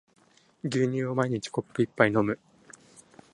牛乳を毎日コップ一杯飲む